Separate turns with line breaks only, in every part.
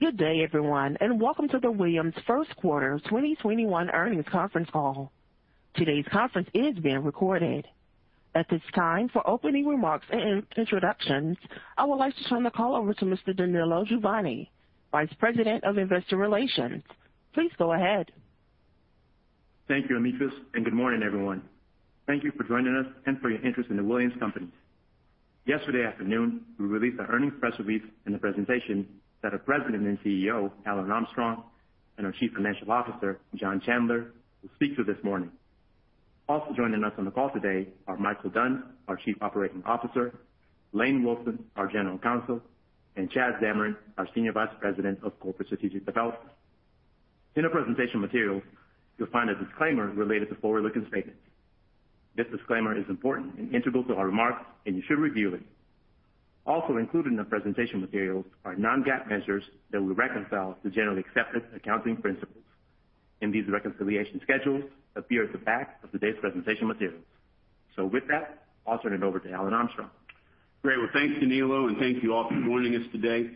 Good day, everyone, and welcome to The Williams first quarter 2021 earnings conference call. Today's conference is being recorded. At this time, for opening remarks and introductions, I would like to turn the call over to Mr. Danilo Juvane, Vice President of Investor Relations. Please go ahead.
Thank you, good morning, everyone. Thank you for joining us and for your interest in The Williams Companies. Yesterday afternoon, we released our earnings press release and the presentation that our President and Chief Executive Officer, Alan Armstrong, and our Chief Financial Officer, John Chandler, will speak to this morning. Also joining us on the call today are Micheal Dunn, our Chief Operating Officer, Lane Wilson, our General Counsel, and Chad Zamarin, our Senior Vice President, Corporate Strategic Development. In our presentation materials, you'll find a disclaimer related to forward-looking statements. This disclaimer is important and integral to our remarks, and you should review it. Also included in the presentation materials are non-GAAP measures that we reconcile to generally accepted accounting principles, and these reconciliation schedules appear at the back of today's presentation materials. With that, I'll turn it over to Alan Armstrong.
Great. Well, thanks, Danilo, and thank you all for joining us today.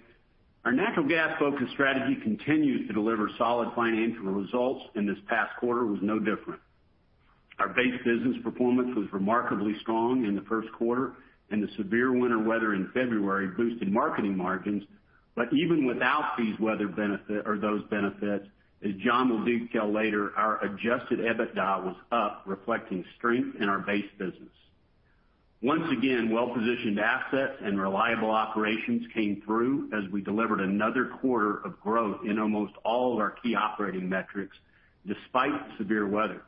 Our natural gas-focused strategy continues to deliver solid financial results, and this past quarter was no different. Our base business performance was remarkably strong in the first quarter, and the severe winter weather in February boosted marketing margins. Even without those benefits, as John will detail later, our adjusted EBITDA was up, reflecting strength in our base business. Once again, well-positioned assets and reliable operations came through as we delivered another quarter of growth in almost all of our key operating metrics, despite severe weather.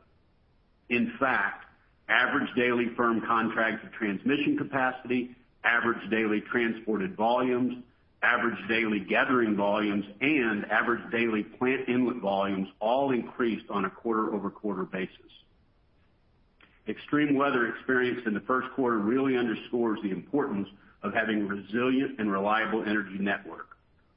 In fact, average daily firm contracts of transmission capacity, average daily transported volumes, average daily gathering volumes, and average daily plant inlet volumes all increased on a quarter-over-quarter basis. Extreme weather experienced in the first quarter really underscores the importance of having a resilient and reliable energy network.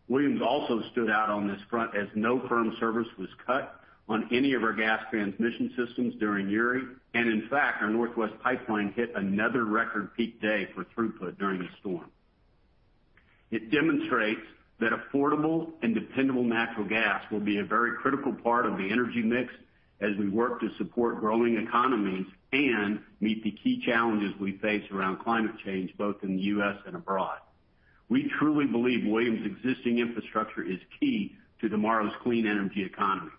Williams also stood out on this front as no firm service was cut on any of our gas transmission systems during Uri. In fact, our Northwest Pipeline hit another record peak day for throughput during the storm. It demonstrates that affordable and dependable natural gas will be a very critical part of the energy mix as we work to support growing economies and meet the key challenges we face around climate change, both in the U.S. and abroad. We truly believe Williams' existing infrastructure is key to tomorrow's clean energy economy.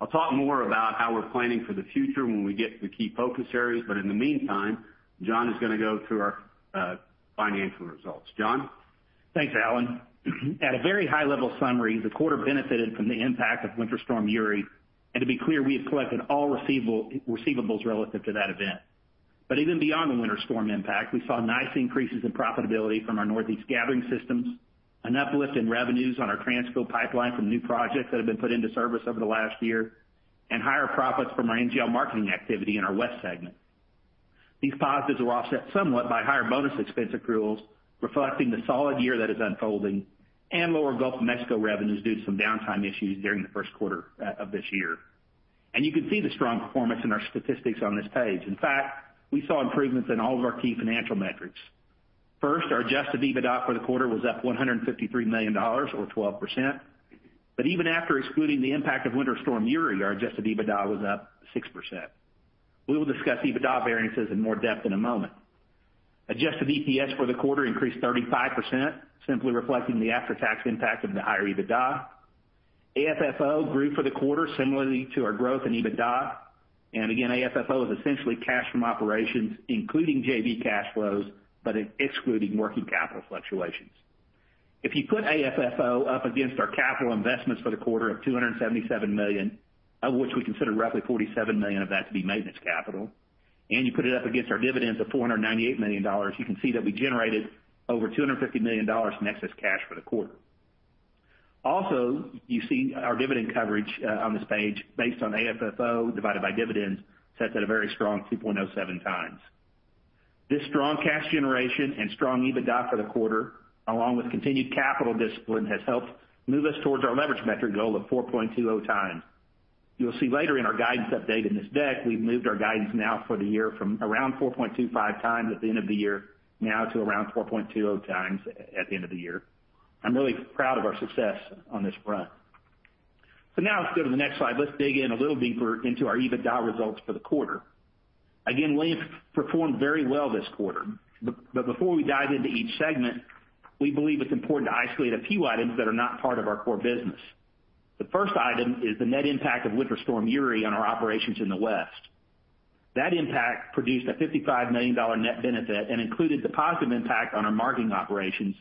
I'll talk more about how we're planning for the future when we get to the key focus areas, but in the meantime, John is going to go through our financial results. John?
Thanks, Alan. At a very high-level summary, the quarter benefited from the impact of Winter Storm Uri. To be clear, we have collected all receivables relative to that event. Even beyond the winter storm impact, we saw nice increases in profitability from our Northeast gathering systems, an uplift in revenues on our Transco pipeline from new projects that have been put into service over the last year, and higher profits from our NGL marketing activity in our West segment. These positives were offset somewhat by higher bonus expense accruals, reflecting the solid year that is unfolding, and lower Gulf of Mexico revenues due to some downtime issues during the first quarter of this year. You can see the strong performance in our statistics on this page. In fact, we saw improvements in all of our key financial metrics. First, our adjusted EBITDA for the quarter was up $153 million, or 12%. Even after excluding the impact of Winter Storm Uri, our adjusted EBITDA was up 6%. We will discuss EBITDA variances in more depth in a moment. Adjusted EPS for the quarter increased 35%, simply reflecting the after-tax impact of the higher EBITDA. AFFO grew for the quarter similarly to our growth in EBITDA. Again, AFFO is essentially cash from operations, including JV cash flows, but excluding working capital fluctuations. If you put AFFO up against our capital investments for the quarter of $277 million, of which we consider roughly $47 million of that to be maintenance capital, and you put it up against our dividends of $498 million, you can see that we generated over $250 million in excess cash for the quarter. Also, you see our dividend coverage on this page, based on AFFO divided by dividends, sets at a very strong 2.07 times. This strong cash generation and strong EBITDA for the quarter, along with continued capital discipline, has helped move us towards our leverage metric goal of 4.20 times. You'll see later in our guidance update in this deck, we've moved our guidance now for the year from around 4.25 times at the end of the year, now to around 4.20 times at the end of the year. I'm really proud of our success on this front. Now let's go to the next slide. Let's dig in a little deeper into our EBITDA results for the quarter. Again, Williams performed very well this quarter. Before we dive into each segment, we believe it's important to isolate a few items that are not part of our core business. The first item is the net impact of Winter Storm Uri on our operations in the West. That impact produced a $55 million net benefit and included the positive impact on our marketing operations,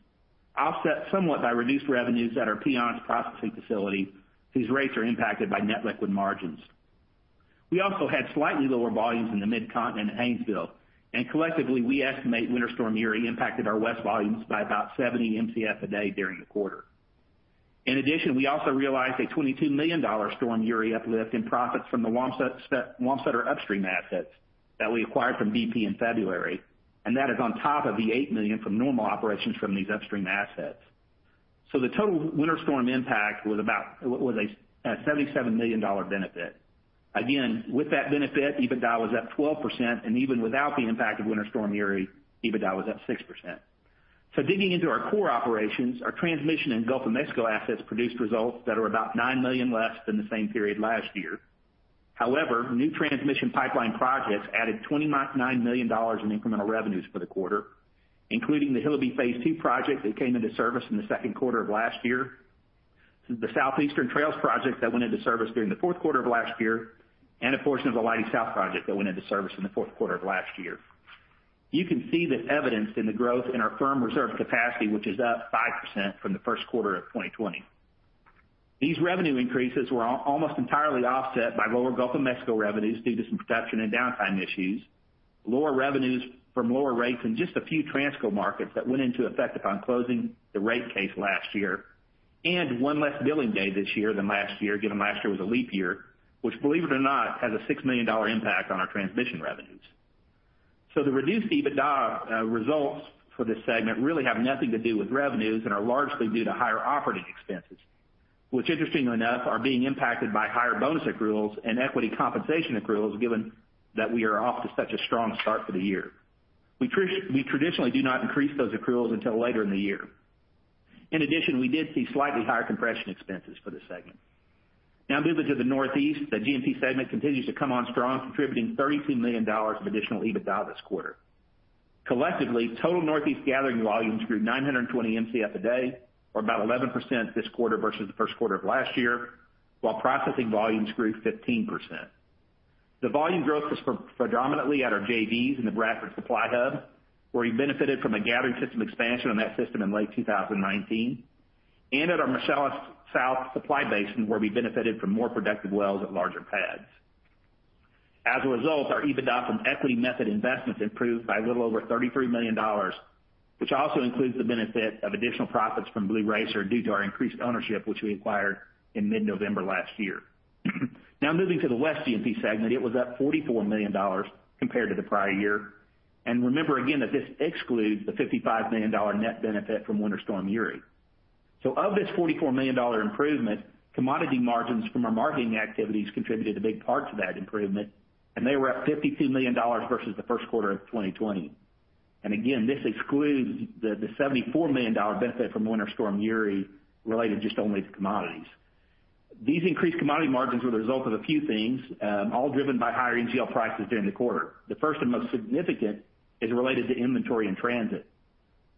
offset somewhat by reduced revenues at our Parachute processing facility, whose rates are impacted by net liquid margins. We also had slightly lower volumes in the Mid-Continent and Haynesville, and collectively, we estimate Winter Storm Uri impacted our West volumes by about 70 MCF a day during the quarter. We also realized a $22 million Storm Uri uplift in profits from the Wamsutter upstream assets that we acquired from BP in February, and that is on top of the $8 million from normal operations from these upstream assets. The total Winter Storm impact was a $77 million benefit. Again, with that benefit, EBITDA was up 12%, and even without the impact of Winter Storm Uri, EBITDA was up 6%. Digging into our core operations, our transmission in Gulf of Mexico assets produced results that are about $9 million less than the same period last year. However, new transmission pipeline projects added $29 million in incremental revenues for the quarter, including the Hillabee Phase 2 project that came into service in the second quarter of last year, the Southeastern Trail project that went into service during the fourth quarter of last year, and a portion of the Leidy South project that went into service in the fourth quarter of last year. You can see this evidenced in the growth in our firm reserve capacity, which is up 5% from the first quarter of 2020. These revenue increases were almost entirely offset by lower Gulf of Mexico revenues due to some production and downtime issues, lower revenues from lower rates in just a few Transco markets that went into effect upon closing the rate case last year, and one less billing day this year than last year, given last year was a leap year, which believe it or not, has a $6 million impact on our transmission revenues. The reduced EBITDA results for this segment really have nothing to do with revenues and are largely due to higher operating expenses, which interestingly enough, are being impacted by higher bonus accruals and equity compensation accruals, given that we are off to such a strong start for the year. We traditionally do not increase those accruals until later in the year. In addition, we did see slightly higher compression expenses for this segment. Moving to the Northeast, the G&P segment continues to come on strong, contributing $32 million of additional EBITDA this quarter. Collectively, total Northeast gathering volumes grew 920 Mcf a day, or about 11% this quarter versus the first quarter of last year, while processing volumes grew 15%. The volume growth was predominantly at our JVs in the Bradford Supply Hub, where we benefited from a gathering system expansion on that system in late 2019, and at our Marcellus South Supply Basin, where we benefited from more productive wells at larger pads. As a result, our EBITDA from equity method investments improved by a little over $33 million, which also includes the benefit of additional profits from Blue Racer due to our increased ownership, which we acquired in mid-November last year. Moving to the West G&P segment, it was up $44 million compared to the prior year. Remember again that this excludes the $55 million net benefit from Winter Storm Uri. Of this $44 million improvement, commodity margins from our marketing activities contributed a big part to that improvement, and they were up $52 million versus the first quarter of 2020. Again, this excludes the $74 million benefit from Winter Storm Uri related just only to commodities. These increased commodity margins were the result of a few things, all driven by higher NGL prices during the quarter. The first and most significant is related to inventory in transit.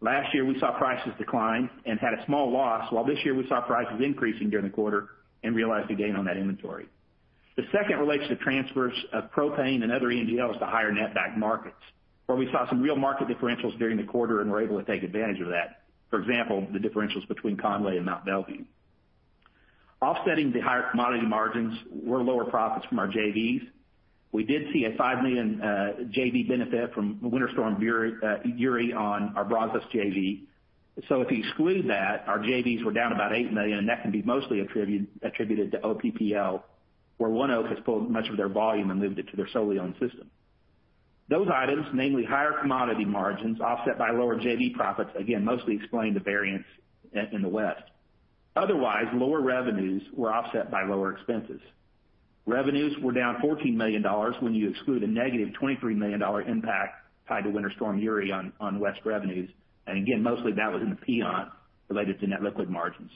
Last year, we saw prices decline and had a small loss, while this year we saw prices increasing during the quarter and realized a gain on that inventory. The second relates to transfers of propane and other NGLs to higher net back markets, where we saw some real market differentials during the quarter and were able to take advantage of that. For example, the differentials between Conway and Mont Belvieu. Offsetting the higher commodity margins were lower profits from our JVs. We did see a $5 million JV benefit from Winter Storm Uri on our Brazos JV. If you exclude that, our JVs were down about $8 million, and that can be mostly attributed to OPPL, where ONEOK has pulled much of their volume and moved it to their solely owned system. Those items, namely higher commodity margins offset by lower JV profits, again, mostly explain the variance in the West. Otherwise, lower revenues were offset by lower expenses. Revenues were down $14 million when you exclude a negative $23 million impact tied to Winter Storm Uri on West revenues. Again, mostly that was in the P&L related to net liquid margins.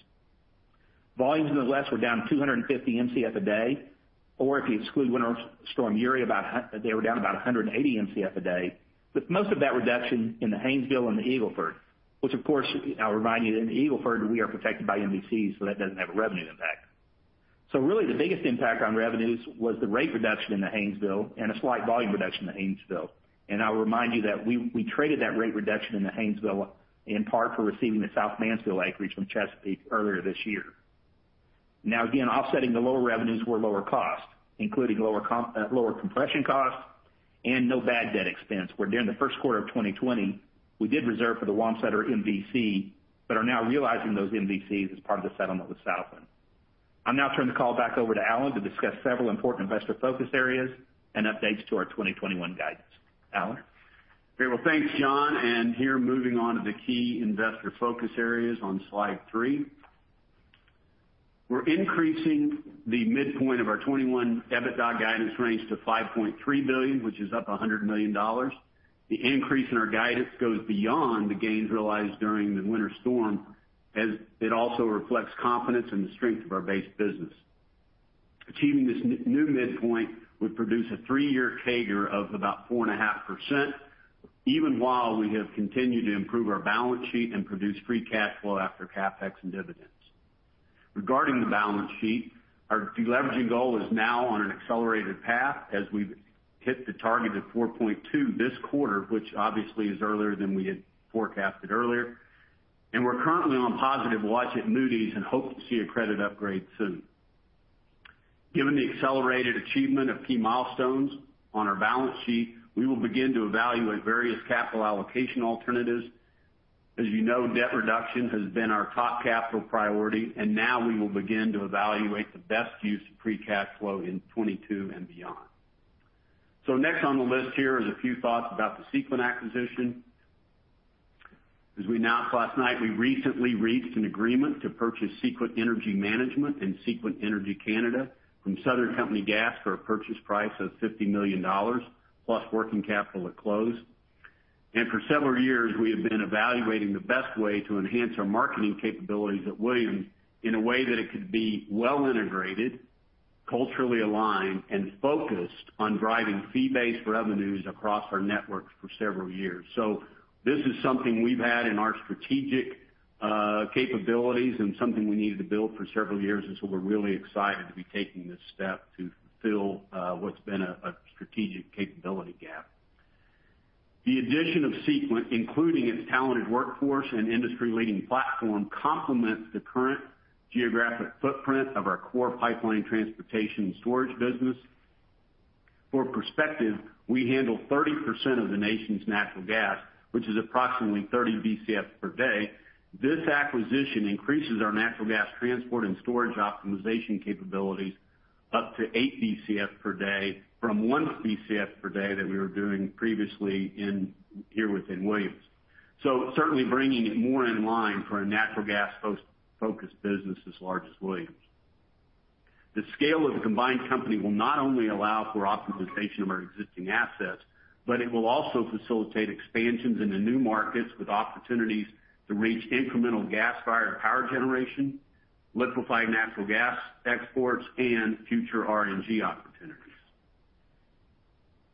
Volumes in the West were down 250 Mcf a day, or if you exclude Winter Storm Uri, they were down about 180 Mcf a day, with most of that reduction in the Haynesville and the Eagle Ford, which of course, I'll remind you that in the Eagle Ford, we are protected by MVCs. That doesn't have a revenue impact. Really the biggest impact on revenues was the rate reduction in the Haynesville and a slight volume reduction in the Haynesville. I'll remind you that we traded that rate reduction in the Haynesville in part for receiving the South Mansfield acreage from Chesapeake earlier this year. Again, offsetting the lower revenues were lower costs, including lower compression costs and no bad debt expense, where during the first quarter of 2020, we did reserve for the Wamsutter MVC, but are now realizing those MVCs as part of the settlement with Southland. I'll now turn the call back over to Alan to discuss several important investor focus areas and updates to our 2021 guidance. Alan?
Great. Well, thanks, John, and here moving on to the key investor focus areas on slide three. We're increasing the midpoint of our 2021 EBITDA guidance range to $5.3 billion, which is up $100 million. The increase in our guidance goes beyond the gains realized during the winter storm, as it also reflects confidence in the strength of our base business. Achieving this new midpoint would produce a three-year CAGR of about 4.5%, even while we have continued to improve our balance sheet and produce free cash flow after CapEx and dividends. Regarding the balance sheet, our deleveraging goal is now on an accelerated path as we've hit the target of 4.2 this quarter, which obviously is earlier than we had forecasted earlier, and we're currently on positive watch at Moody's and hope to see a credit upgrade soon. Given the accelerated achievement of key milestones on our balance sheet, we will begin to evaluate various capital allocation alternatives. As you know, debt reduction has been our top capital priority, and now we will begin to evaluate the best use of free cash flow in 2022 and beyond. Next on the list here is a few thoughts about the Sequent acquisition. As we announced last night, we recently reached an agreement to purchase Sequent Energy Management and Sequent Energy Canada from Southern Company Gas for a purchase price of $50 million, plus working capital at close. For several years, we have been evaluating the best way to enhance our marketing capabilities at Williams in a way that it could be well integrated, culturally aligned, and focused on driving fee-based revenues across our networks for several years. This is something we've had in our strategic capabilities and something we needed to build for several years. We're really excited to be taking this step to fulfill what's been a strategic capability gap. The addition of Sequent, including its talented workforce and industry-leading platform, complements the current geographic footprint of our core pipeline transportation storage business. For perspective, we handle 30% of the nation's natural gas, which is approximately 30 BCF per day. This acquisition increases our natural gas transport and storage optimization capabilities up to eight BCF per day from one BCF per day that we were doing previously here within Williams. Certainly bringing it more in line for a natural gas-focused business as large as Williams. The scale of the combined company will not only allow for optimization of our existing assets, but it will also facilitate expansions into new markets with opportunities to reach incremental gas-fired power generation, liquefied natural gas exports, and future RNG opportunities.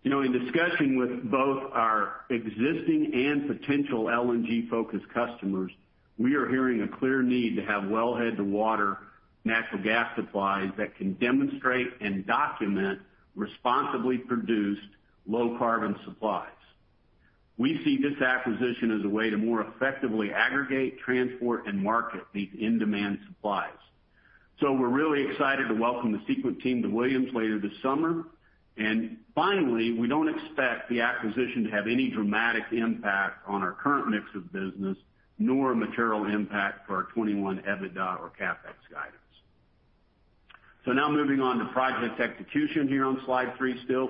In discussing with both our existing and potential LNG-focused customers, we are hearing a clear need to have wellhead-to-water natural gas supplies that can demonstrate and document responsibly produced low-carbon supplies. We see this acquisition as a way to more effectively aggregate, transport, and market these in-demand supplies. We're really excited to welcome the Sequent team to Williams later this summer. Finally, we don't expect the acquisition to have any dramatic impact on our current mix of business, nor a material impact for our 2021 EBITDA or CapEx guidance. Now moving on to project execution here on slide three still.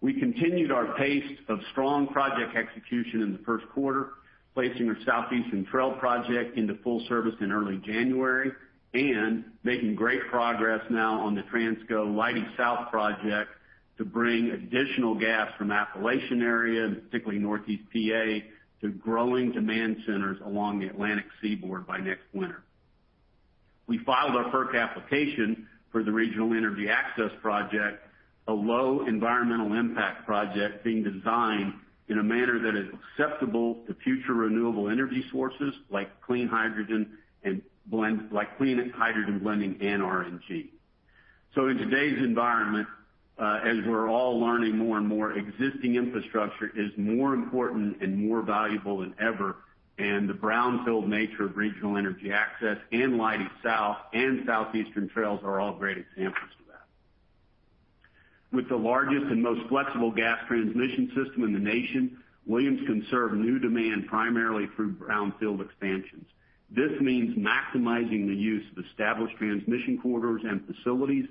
We continued our pace of strong project execution in the first quarter, placing our Southeastern Trail project into full service in early January and making great progress now on the Transco Leidy South project to bring additional gas from Appalachian area, and particularly Northeast P.A., to growing demand centers along the Atlantic seaboard by next winter. We filed our FERC application for the Regional Energy Access Expansion, a low environmental impact project being designed in a manner that is acceptable to future renewable energy sources like clean hydrogen blending and RNG. In today's environment, as we're all learning more and more, existing infrastructure is more important and more valuable than ever, and the brownfield nature of Regional Energy Access Expansion and Leidy South and Southeastern Trail are all great examples of that. With the largest and most flexible gas transmission system in the nation, Williams can serve new demand primarily through brownfield expansions. This means maximizing the use of established transmission corridors and facilities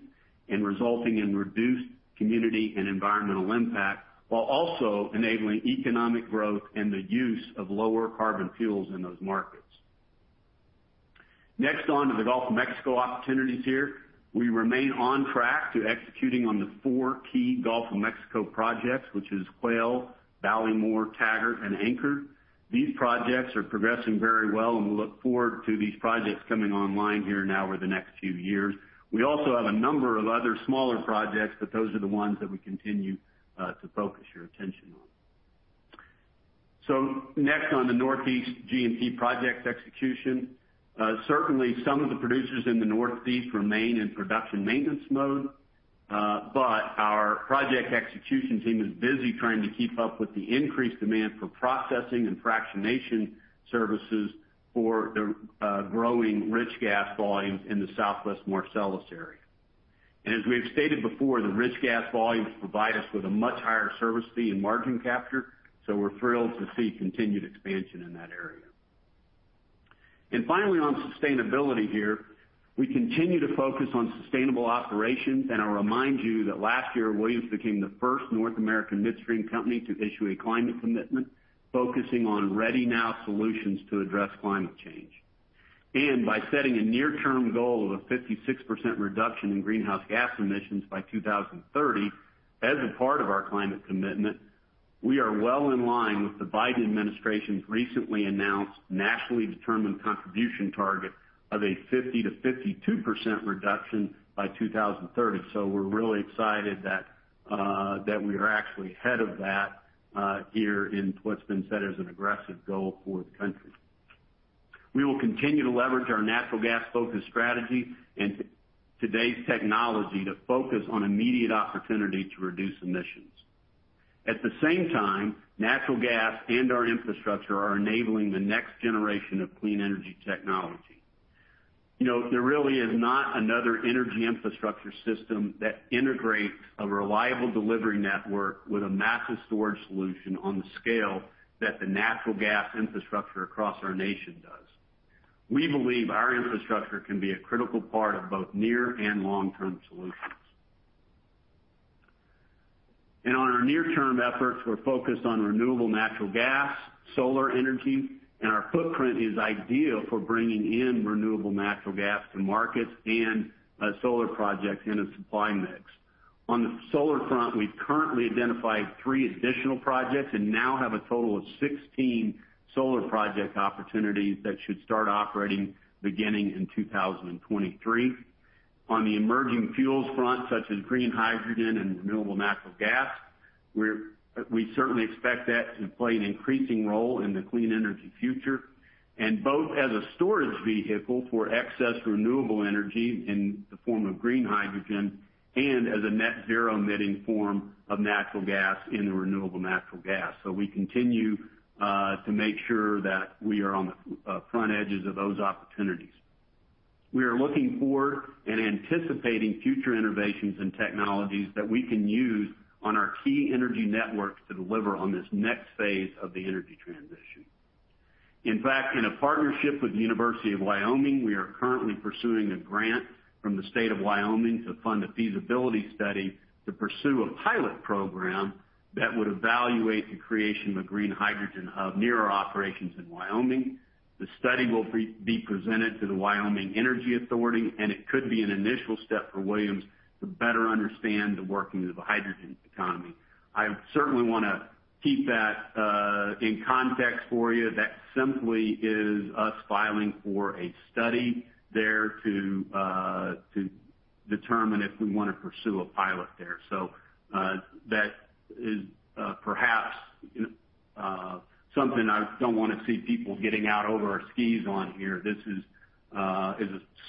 and resulting in reduced community and environmental impact, while also enabling economic growth and the use of lower carbon fuels in those markets. On to the Gulf of Mexico opportunities here. We remain on track to executing on the four key Gulf of Mexico projects, which is Whale, Ballymore, Taggart, and Anchor. These projects are progressing very well, and we look forward to these projects coming online here now over the next few years. We also have a number of other smaller projects, but those are the ones that we continue to focus your attention on. Next on the Northeast G&P project execution. Certainly, some of the producers in the Northeast remain in production maintenance mode. Our project execution team is busy trying to keep up with the increased demand for processing and fractionation services for the growing rich gas volumes in the Southwest Marcellus area. As we have stated before, the rich gas volumes provide us with a much higher service fee and margin capture, so we're thrilled to see continued expansion in that area. Finally, on sustainability here, we continue to focus on sustainable operations. I'll remind you that last year, Williams became the first North American midstream company to issue a climate commitment focusing on ready now solutions to address climate change. By setting a near-term goal of a 56% reduction in greenhouse gas emissions by 2030 as a part of our climate commitment, we are well in line with the Biden administration's recently announced nationally determined contribution target of a 50%-52% reduction by 2030. We're really excited that we are actually ahead of that here in what's been set as an aggressive goal for the country. We will continue to leverage our natural gas-focused strategy and today's technology to focus on immediate opportunity to reduce emissions. At the same time, natural gas and our infrastructure are enabling the next generation of clean energy technology. There really is not another energy infrastructure system that integrates a reliable delivery network with a massive storage solution on the scale that the natural gas infrastructure across our nation does. We believe our infrastructure can be a critical part of both near and long-term solutions. On our near-term efforts, we're focused on renewable natural gas, solar energy, and our footprint is ideal for bringing in renewable natural gas to markets and solar projects in a supply mix. On the solar front, we've currently identified three additional projects and now have a total of 16 solar project opportunities that should start operating beginning in 2023. On the emerging fuels front, such as green hydrogen and renewable natural gas, we certainly expect that to play an increasing role in the clean energy future, and both as a storage vehicle for excess renewable energy in the form of green hydrogen and as a net zero emitting form of natural gas in the renewable natural gas. We continue to make sure that we are on the front edges of those opportunities. We are looking for and anticipating future innovations in technologies that we can use on our key energy networks to deliver on this next phase of the energy transition. In fact, in a partnership with the University of Wyoming, we are currently pursuing a grant from the state of Wyoming to fund a feasibility study to pursue a pilot program that would evaluate the creation of a green hydrogen hub near our operations in Wyoming. The study will be presented to the Wyoming Energy Authority, and it could be an initial step for Williams to better understand the workings of a hydrogen economy. I certainly want to keep that in context for you. That simply is us filing for a study there to determine if we want to pursue a pilot there. That is perhaps something I don't want to see people getting out over our skis on here. This is a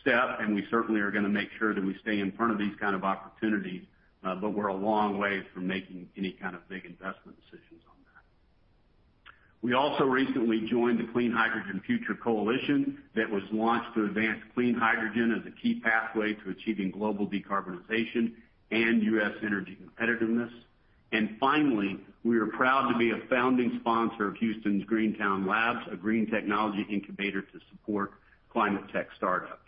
step, and we certainly are going to make sure that we stay in front of these kind of opportunities. We're a long way from making any kind of big investment decisions on that. We also recently joined the Clean Hydrogen Future Coalition that was launched to advance clean hydrogen as a key pathway to achieving global decarbonization and U.S. energy competitiveness. Finally, we are proud to be a founding sponsor of Houston's Greentown Labs, a green technology incubator to support climate tech startups.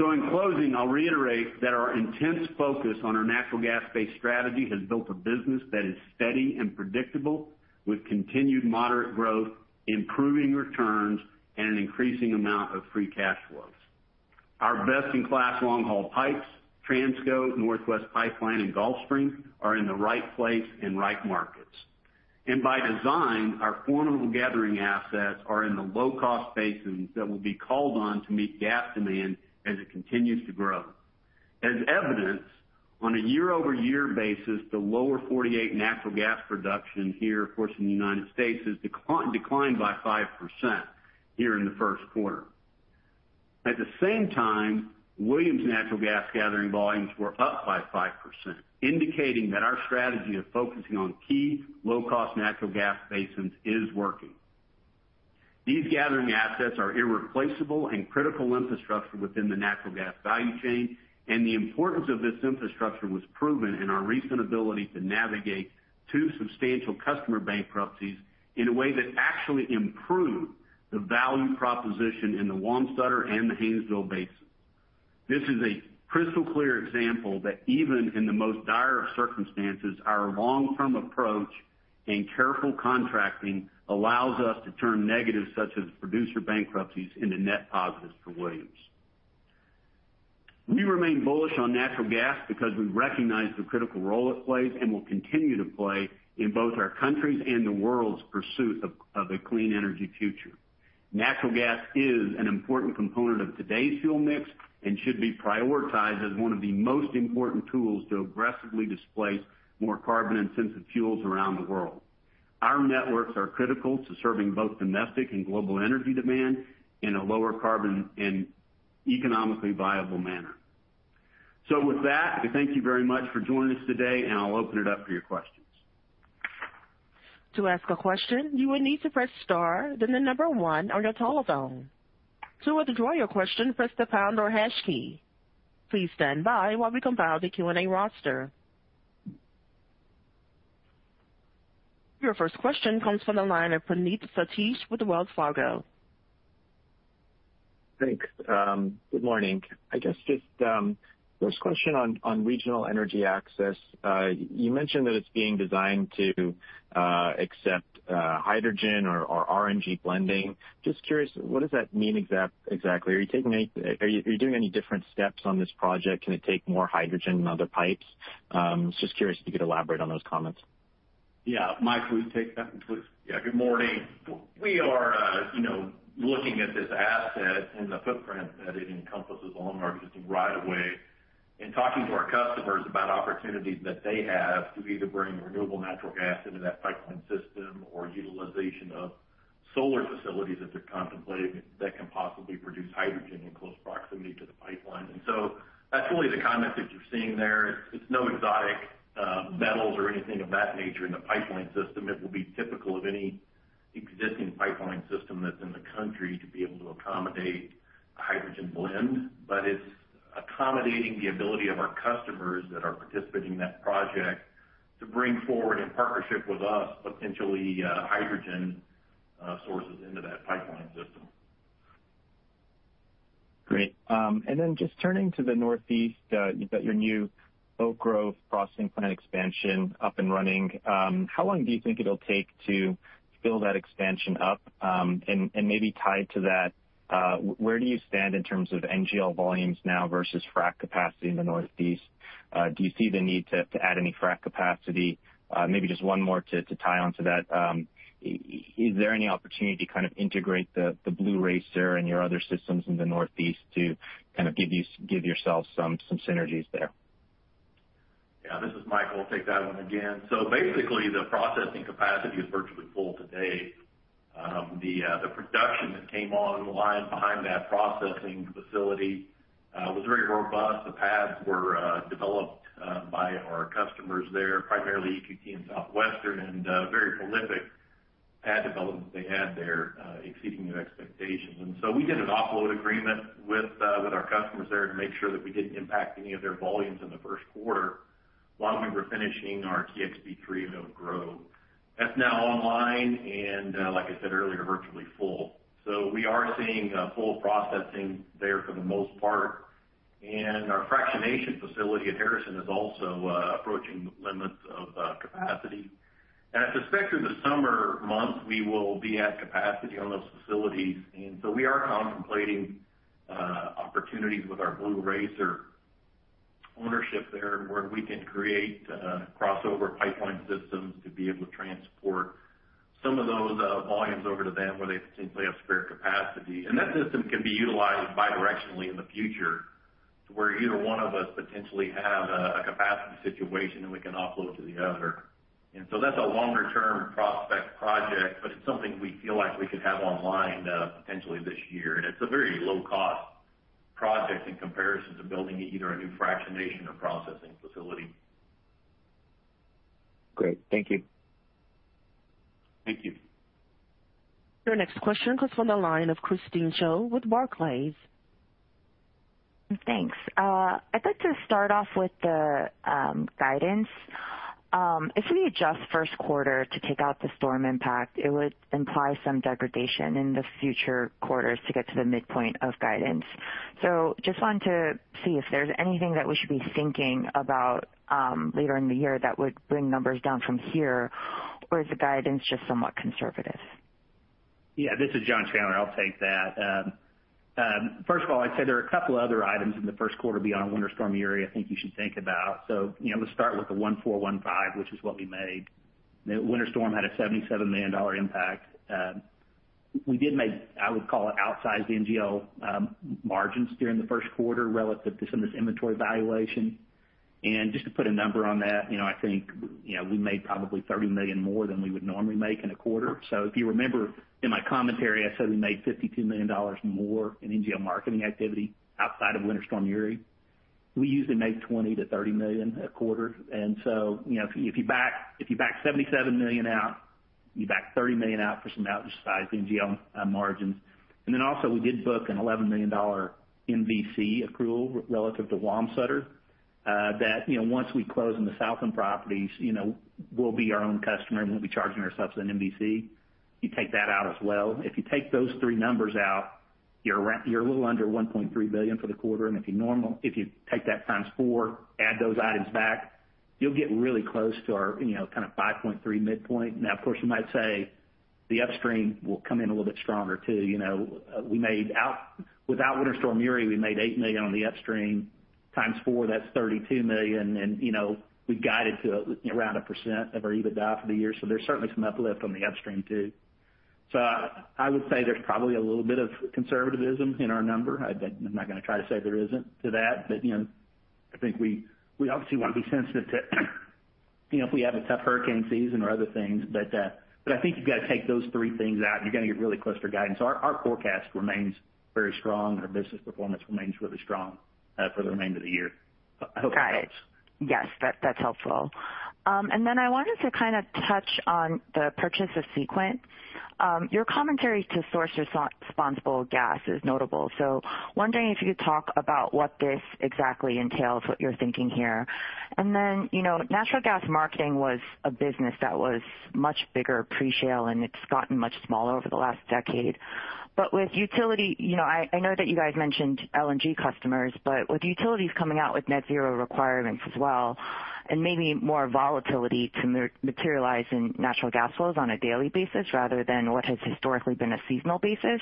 In closing, I'll reiterate that our intense focus on our natural gas-based strategy has built a business that is steady and predictable, with continued moderate growth, improving returns, and an increasing amount of free cash flows. Our best-in-class long-haul pipes, Transco, Northwest Pipeline, and Gulfstream, are in the right place and right markets. By design, our formidable gathering assets are in the low-cost basins that will be called on to meet gas demand as it continues to grow. As evidence, on a year-over-year basis, the Lower 48 natural gas production here, of course, in the United States, has declined by 5% here in the first quarter. At the same time, Williams natural gas gathering volumes were up by 5%, indicating that our strategy of focusing on key low-cost natural gas basins is working. These gathering assets are irreplaceable and critical infrastructure within the natural gas value chain, and the importance of this infrastructure was proven in our recent ability to navigate two substantial customer bankruptcies in a way that actually improved the value proposition in the Wamsutter and the Haynesville basin. This is a crystal clear example that even in the most dire of circumstances, our long-term approach and careful contracting allows us to turn negatives such as producer bankruptcies into net positives for Williams. We remain bullish on natural gas because we recognize the critical role it plays and will continue to play in both our country's and the world's pursuit of a clean energy future. Natural gas is an important component of today's fuel mix and should be prioritized as one of the most important tools to aggressively displace more carbon-intensive fuels around the world. Our networks are critical to serving both domestic and global energy demand in a lower carbon and economically viable manner. With that, we thank you very much for joining us today, and I'll open it up for your questions.
Your first question comes from the line of Praneeth Satish with Wells Fargo.
Thanks. Good morning. I guess just, first question on Regional Energy Access. You mentioned that it is being designed to accept hydrogen or RNG blending. Just curious, what does that mean exactly? Are you doing any different steps on this project? Can it take more hydrogen than other pipes? Just curious if you could elaborate on those comments.
Yeah. Michael, will you take that one, please?
Yeah, good morning. We are looking at this asset and the footprint that it encompasses along our existing right of way and talking to our customers about opportunities that they have to either bring renewable natural gas into that pipeline system or utilization of solar facilities that they're contemplating that can possibly produce hydrogen in close proximity to the pipeline. That's really the comment that you're seeing there. It's no exotic metals or anything of that nature in the pipeline system. It will be typical of any existing pipeline system that's in the country to be able to accommodate a hydrogen blend. It's accommodating the ability of our customers that are participating in that project to bring forward, in partnership with us, potentially hydrogen sources into that pipeline system.
Great. Just turning to the Northeast, you've got your new Oak Grove processing plant expansion up and running. How long do you think it'll take to fill that expansion up? Maybe tied to that, where do you stand in terms of NGL volumes now versus frac capacity in the Northeast? Do you see the need to add any frac capacity? Maybe just one more to tie onto that. Is there any opportunity to kind of integrate the Blue Racer and your other systems in the Northeast to kind of give yourself some synergies there?
This is Micheal. I'll take that one again. Basically, the processing capacity is virtually full today. The production that came online behind that processing facility was very robust. The pads were developed by our customers there, primarily EQT and Southwestern, and very prolific pad development they had there, exceeding their expectations. We did an offload agreement with our customers there to make sure that we didn't impact any of their volumes in the first quarter while we were finishing our TXP-3 in Oak Grove. That's now online and, like I said earlier, virtually full. We are seeing full processing there for the most part. Our fractionation facility at Harrison is also approaching limits of capacity. I suspect in the summer months, we will be at capacity on those facilities. We are contemplating opportunities with our Blue Racer ownership there, where we can create crossover pipeline systems to be able to transport some of those volumes over to them, where they potentially have spare capacity. That system can be utilized bidirectionally in the future, to where either one of us potentially have a capacity situation, and we can offload to the other. That's a longer-term prospect project, but it's something we feel like we could have online potentially this year. It's a very low-cost project in comparison to building either a new fractionation or processing facility.
Great. Thank you.
Thank you.
Your next question comes from the line of Christine Cho with Barclays.
Thanks. I'd like to start off with the guidance. If we adjust first quarter to take out the storm impact, it would imply some degradation in the future quarters to get to the midpoint of guidance. Just wanted to see if there's anything that we should be thinking about later in the year that would bring numbers down from here, or is the guidance just somewhat conservative?
Yeah. This is John Chandler. I'll take that. First of all, I'd say there are a couple other items in the first quarter beyond Winter Storm Uri I think you should think about. Let's start with the $1.415 billion, which is what we made. Winter Storm had a $77 million impact. We did make, I would call it, outsized NGL margins during the first quarter relative to some of this inventory valuation. Just to put a number on that, I think, we made probably $30 million more than we would normally make in a quarter. If you remember in my commentary, I said we made $52 million more in NGL marketing activity outside of Winter Storm Uri. We usually make $20 million-$30 million a quarter. If you back $77 million out, you back $30 million out for some outsized NGL margins. Also, we did book an $11 million MVC accrual relative to Wamsutter. Once we close on the Southland properties, we'll be our own customer, and we'll be charging ourselves an MVC. You take that out as well. If you take those three numbers out, you're a little under $1.3 billion for the quarter. If you take that times four, add those items back, you'll get really close to our kind of $5.3 billion midpoint. Now, of course, you might say the upstream will come in a little bit stronger, too. Without Winter Storm Uri, we made $8 million on the upstream times four, that's $32 million. We guided to around 1% of our EBITDA for the year. There's certainly some uplift on the upstream, too. I would say there's probably a little bit of conservativism in our number. I'm not going to try to say there isn't to that, but I think we obviously want to be sensitive to if we have a tough hurricane season or other things. I think you've got to take those three things out, and you're going to get really close to our guidance. Our forecast remains very strong, and our business performance remains really strong for the remainder of the year. I hope that helps.
Got it. Yes. That's helpful. I wanted to kind of touch on the purchase of Sequent. Your commentary to source responsible gas is notable. Wondering if you could talk about what this exactly entails, what you're thinking here. Natural gas marketing was a business that was much bigger pre-shale, and it's gotten much smaller over the last decade. With utility, I know that you guys mentioned LNG customers, but with utilities coming out with net zero requirements as well, and maybe more volatility to materialize in natural gas flows on a daily basis rather than what has historically been a seasonal basis,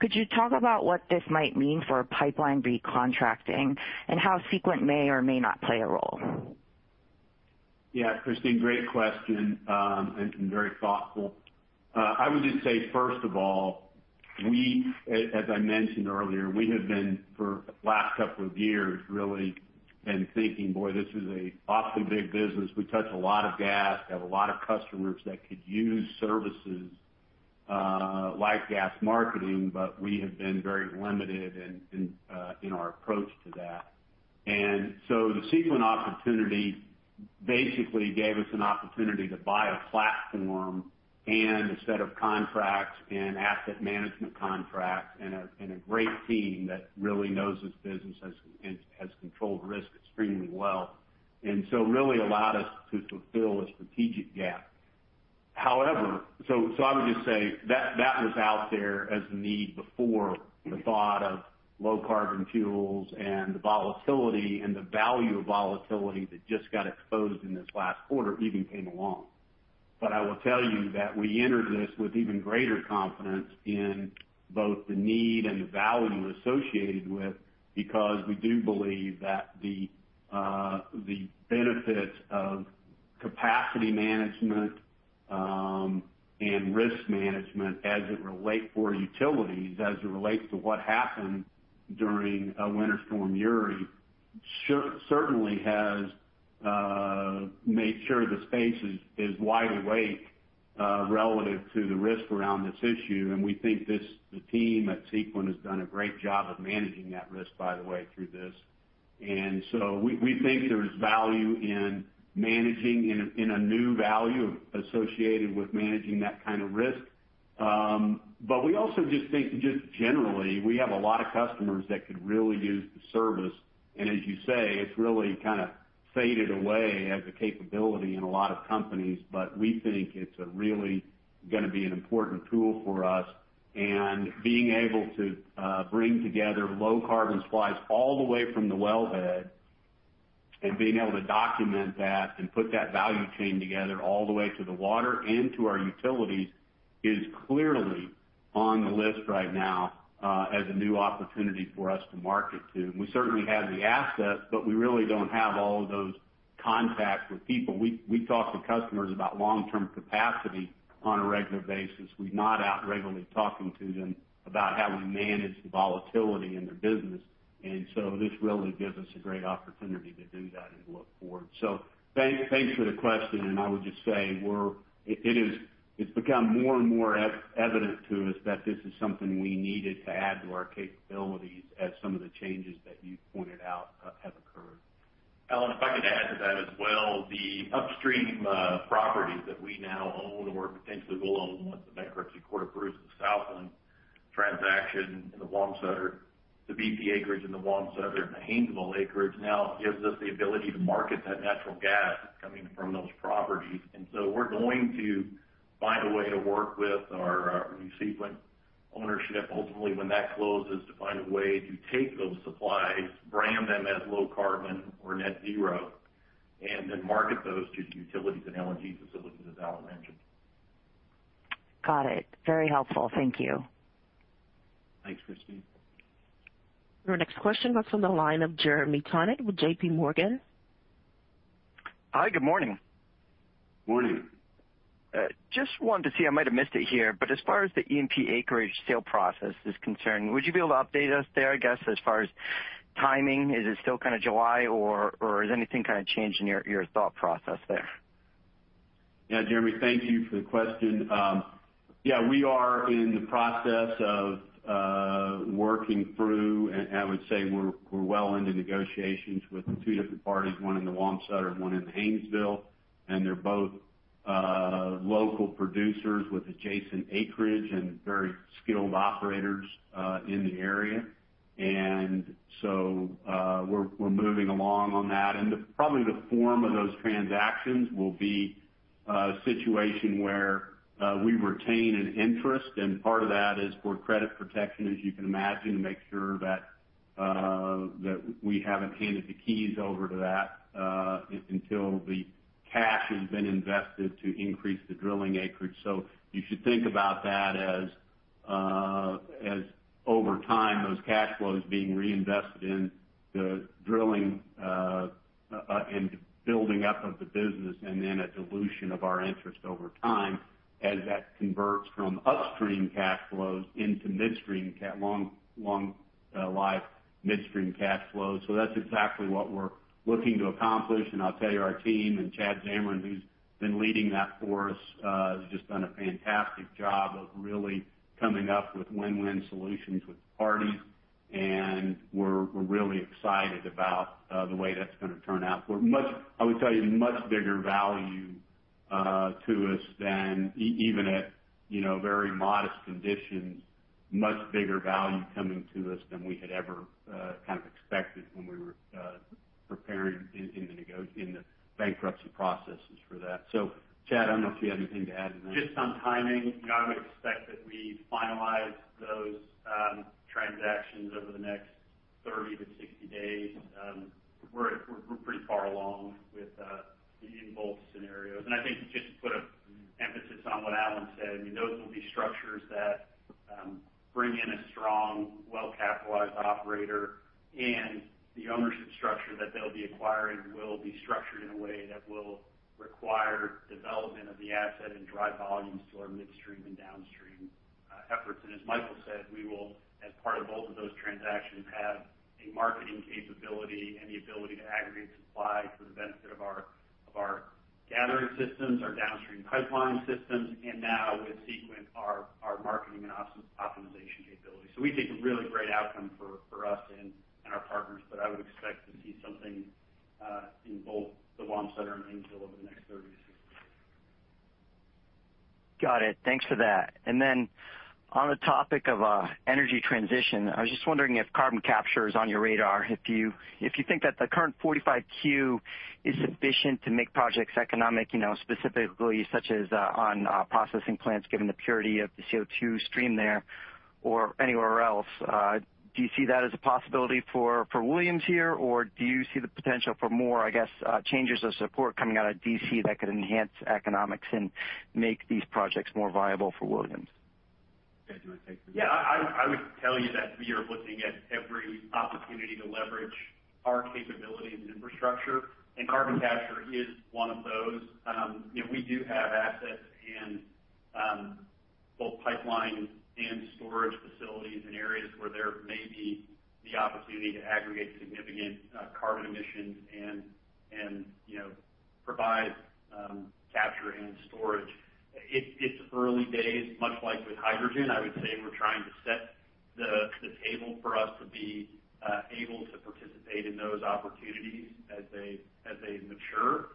could you talk about what this might mean for pipeline recontracting and how Sequent may or may not play a role?
Yeah, Christine, great question, very thoughtful. I would just say, first of all, as I mentioned earlier, we have been for last couple of years, really been thinking, boy, this is an awfully big business. We touch a lot of gas, have a lot of customers that could use services like gas marketing, but we have been very limited in our approach to that. The Sequent opportunity basically gave us an opportunity to buy a platform and a set of contracts and asset management contracts and a great team that really knows this business and has controlled risk extremely well. Really allowed us to fulfill a strategic gap. I would just say that was out there as a need before the thought of low carbon fuels and the volatility and the value of volatility that just got exposed in this last quarter even came along. I will tell you that we entered this with even greater confidence in both the need and the value associated with, because we do believe that the benefits of capacity management and risk management as it relates for utilities, as it relates to what happened during Winter Storm Uri, certainly has made sure the space is wide awake relative to the risk around this issue. We think the team at Sequent has done a great job of managing that risk, by the way, through this. We think there is value in managing, in a new value associated with managing that kind of risk. We also just think, just generally, we have a lot of customers that could really use the service. As you say, it's really kind of faded away as a capability in a lot of companies. We think it's really going to be an important tool for us, and being able to bring together low carbon supplies all the way from the wellhead, and being able to document that and put that value chain together all the way to the water and to our utilities is clearly on the list right now as a new opportunity for us to market to. We certainly have the assets, but we really don't have all of those contacts with people. We talk to customers about long-term capacity on a regular basis. We're not out regularly talking to them about how we manage the volatility in their business. This really gives us a great opportunity to do that and look forward. Thanks for the question, and I would just say it's become more and more evident to us that this is something we needed to add to our capabilities as some of the changes that you pointed out have occurred.
Alan, if I could add to that as well. The upstream properties that we now own or potentially will own once the bankruptcy court approves the Southland transaction in the Wamsutter, the BP acreage in the Wamsutter and the Haynesville acreage now gives us the ability to market that natural gas coming from those properties. We're going to find a way to work with our new Sequent ownership, ultimately, when that closes, to find a way to take those supplies, brand them as low carbon or net zero, and then market those to utilities and LNG facilities, as Alan mentioned.
Got it. Very helpful. Thank you.
Thanks, Christine.
Your next question comes from the line of Jeremy Tonet with J.P. Morgan.
Hi, good morning.
Morning.
Just wanted to see, I might have missed it here, but as far as the E&P acreage sale process is concerned, would you be able to update us there, I guess, as far as timing? Is it still kind of July or has anything kind of changed in your thought process there?
Yeah. Jeremy, thank you for the question. We are in the process of working through, and I would say we're well into negotiations with two different parties, one in the Wamsutter and one in the Haynesville. They're both local producers with adjacent acreage and very skilled operators in the area. So we're moving along on that. Probably the form of those transactions will be a situation where we retain an interest. Part of that is for credit protection, as you can imagine, to make sure that we haven't handed the keys over to that until the cash has been invested to increase the drilling acreage. You should think about that as over time, those cash flows being reinvested in the drilling and building up of the business, and then a dilution of our interest over time as that converts from upstream cash flows into long life midstream cash flows. That's exactly what we're looking to accomplish. I'll tell you, our team and Chad Zamarin, who's been leading that for us, has just done a fantastic job of really coming up with win-win solutions with parties. We're really excited about the way that's going to turn out. I would tell you, much bigger value to us than even at very modest conditions, much bigger value coming to us than we had ever kind of expected when we were preparing in the bankruptcy processes for that. Chad, I don't know if you have anything to add to that.
Just on timing, I would expect that we finalize those transactions over the next 30 to 60 days. We're pretty far along in both scenarios. I think just to put an emphasis on what Alan said, those will be structures that bring in a strong, well-capitalized operator, and the ownership structure that they'll be acquiring will be structured in a way that will require development of the asset and drive volumes to our midstream and downstream efforts. As Michael said, we will, as part of both of those transactions, have a marketing capability and the ability to aggregate supply for the benefit of our gathering systems, our downstream pipeline systems, and now with Sequent, our marketing and optimization capability. We think a really great outcome for us and our partners. I would expect to see something in both the Wamsutter and Haynesville over the next 30-60 days.
Got it. Thanks for that. On the topic of energy transition, I was just wondering if carbon capture is on your radar, if you think that the current 45Q is sufficient to make projects economic, specifically such as on processing plants, given the purity of the CO2 stream there or anywhere else. Do you see that as a possibility for Williams here, or do you see the potential for more, I guess, changes of support coming out of D.C. that could enhance economics and make these projects more viable for Williams?
Yeah. Do you want to take this?
Yeah. I would tell you that we are looking at every opportunity to leverage our capabilities and infrastructure, and carbon capture is one of those. We do have assets in both pipeline and storage facilities in areas where there may be the opportunity to aggregate significant carbon emissions and provide capture and storage. It's early days, much like with hydrogen. I would say we're trying to set the table for us to be able to participate in those opportunities as they mature.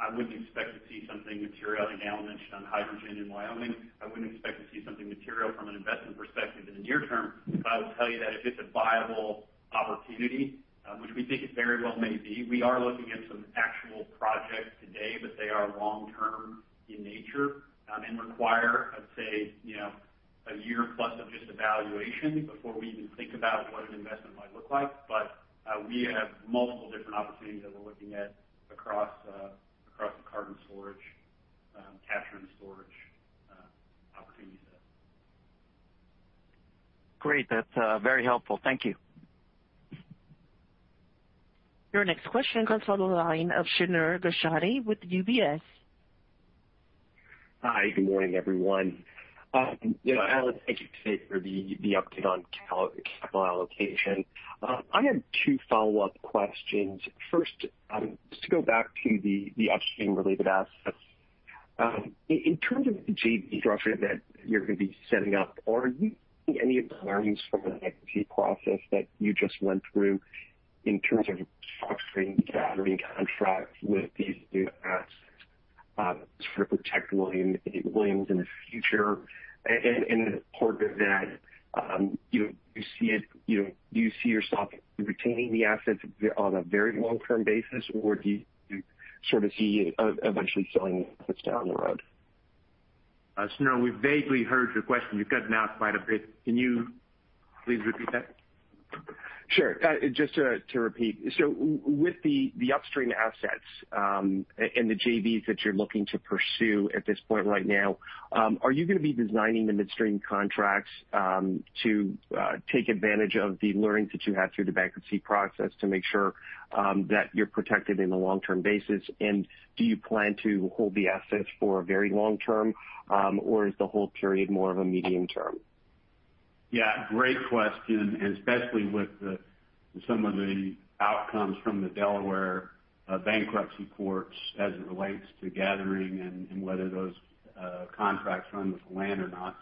I wouldn't expect to see something material, like Alan mentioned on hydrogen in Wyoming. I wouldn't expect to see something material from an investment perspective in the near term. I would tell you that if it's a viable opportunity, which we think it very well may be, we are looking at some actual projects today, but they are long-term in nature and require, let's say, a year plus of just evaluation before we even think about what an investment might look like. We have multiple different opportunities that we're looking at across the carbon capture and storage opportunities set.
Great. That's very helpful. Thank you.
Your next question comes from the line of Shneur Gershuni with UBS.
Hi. Good morning, everyone. Alan, thank you today for the update on capital allocation. I have two follow-up questions. First, just to go back to the upstream-related assets. In terms of the JV structure that you're going to be setting up, are you taking any of the learnings from the IP process that you just went through in terms of structuring, gathering contracts with these new assets to sort of protect Williams in the future? As part of that, do you see yourself retaining the assets on a very long-term basis, or do you sort of see eventually selling this down the road?
Shneur, we vaguely heard your question. You cut out quite a bit. Can you please repeat that?
Sure. Just to repeat. With the upstream assets and the JVs that you're looking to pursue at this point right now, are you going to be designing the midstream contracts to take advantage of the learnings that you had through the bankruptcy process to make sure that you're protected in the long-term basis? Do you plan to hold the assets for a very long term? Or is the hold period more of a medium term?
Yeah, great question, especially with some of the outcomes from the Delaware bankruptcy courts as it relates to gathering and whether those contracts run with the land or not.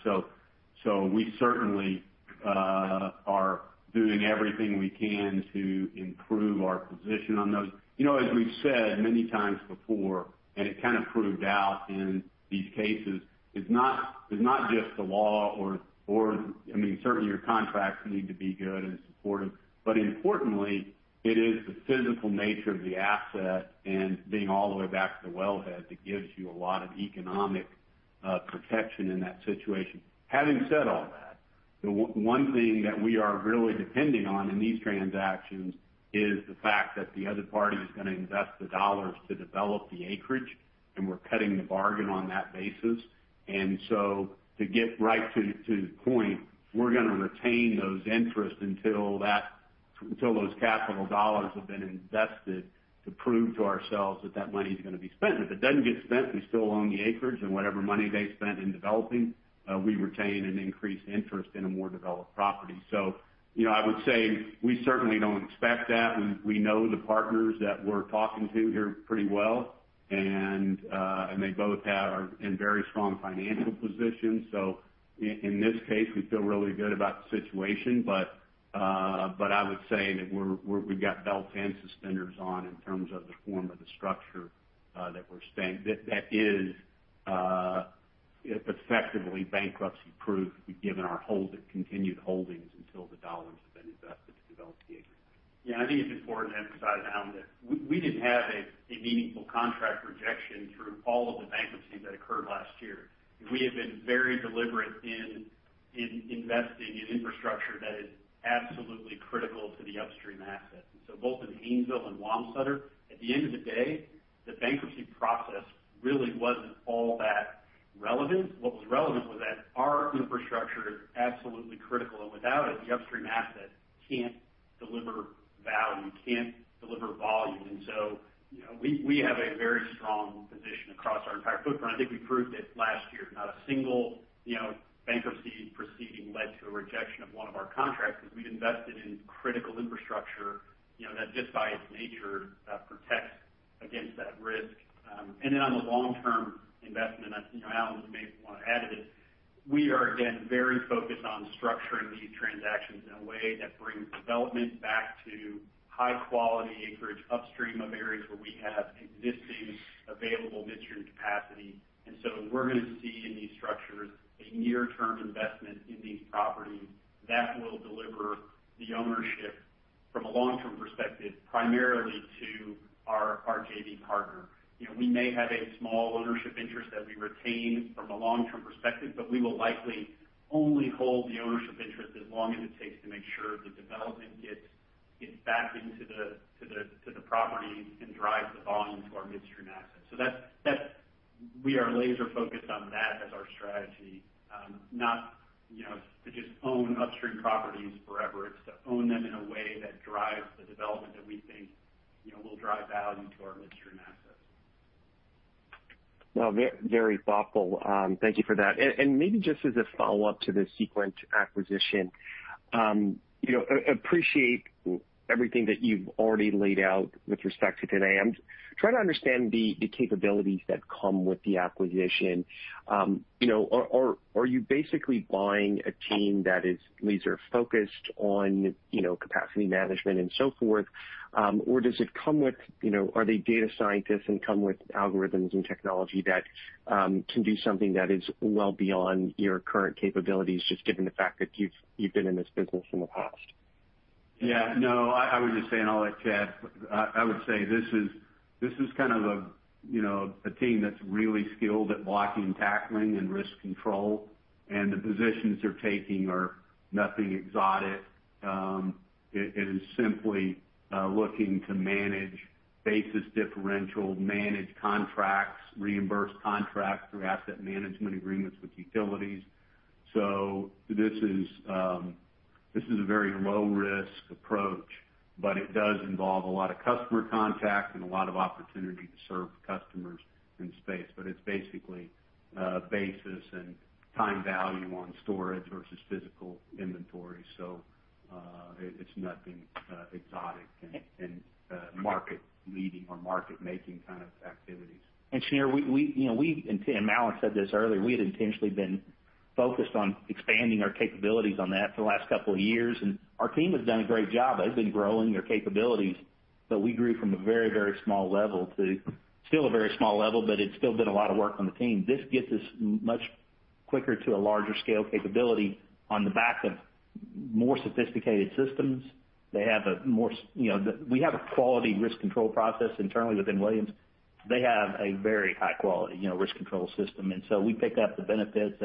We certainly are doing everything we can to improve our position on those. As we've said many times before, it kind of proved out in these cases, it's not just the law. I mean, certainly your contracts need to be good and supportive. Importantly, it is the physical nature of the asset and being all the way back to the wellhead that gives you a lot of economic protection in that situation. Having said all that, the one thing that we are really depending on in these transactions is the fact that the other party is going to invest the dollars to develop the acreage, and we're cutting the bargain on that basis. To get right to the point, we're going to retain those interests until those capital dollars have been invested to prove to ourselves that money is going to be spent. If it doesn't get spent, we still own the acreage and whatever money they spent in developing, we retain an increased interest in a more developed property. I would say we certainly don't expect that. We know the partners that we're talking to here pretty well, and they both are in very strong financial positions. In this case, we feel really good about the situation. I would say that we've got belts and suspenders on in terms of the form of the structure that we're staying. That is effectively bankruptcy-proof, given our continued holdings until the dollars have been invested to develop the acreage.
Yeah. I think it's important to emphasize, Alan, that we didn't have a meaningful contract rejection through all of the bankruptcies that occurred last year. We have been very deliberate in investing in infrastructure that is absolutely critical to the upstream assets. Both in Haynesville and Wamsutter, at the end of the day, the bankruptcy process really wasn't all that relevant. What was relevant was that our infrastructure is absolutely critical, and without it, the upstream asset can't deliver value, can't deliver volume. We have a very strong position across our entire footprint. I think we proved it last year. Not a single bankruptcy proceeding led to a rejection of one of our contracts because we've invested in critical infrastructure that just by its nature, protects against that risk. On the long-term investment, Alan may want to add to this. We are, again, very focused on structuring these transactions in a way that brings development back to high quality acreage upstream of areas where we have existing available midstream capacity. We're going to see in these structures a near-term investment in these properties that will deliver the ownership from a long-term perspective, primarily to our JV partner. We may have a small ownership interest that we retain from a long-term perspective, but we will likely only hold the ownership interest as long as it takes to make sure the development gets back into the property and drives the volume to our midstream assets. We are laser focused on that as our strategy. Not to just own upstream properties forever, it's to own them in a way that drives the development that we think will drive value to our midstream assets.
Well, very thoughtful. Thank you for that. Maybe just as a follow-up to the Sequent acquisition. Appreciate everything that you've already laid out with respect to today. I'm trying to understand the capabilities that come with the acquisition. Are you basically buying a team that is laser focused on capacity management and so forth? Are they data scientists and come with algorithms and technology that can do something that is well beyond your current capabilities, just given the fact that you've been in this business in the past?
I'll let Chad. This is kind of a team that's really skilled at blocking and tackling and risk control. The positions they're taking are nothing exotic. It is simply looking to manage basis differential, manage contracts, reimburse contracts through asset management agreements with utilities. This is a very low risk approach. It does involve a lot of customer contact and a lot of opportunity to serve customers in space. It's basically basis and time value on storage versus physical inventory. It's nothing exotic and market leading or market making kind of activities.
Shneur, Alan said this earlier, we had intentionally been focused on expanding our capabilities on that for the last couple of years, and our team has done a great job. They've been growing their capabilities. We grew from a very small level to still a very small level, but it's still been a lot of work on the team. This gets us much quicker to a larger scale capability on the back of more sophisticated systems. We have a quality risk control process internally within Williams. They have a very high quality risk control system. We pick up the benefits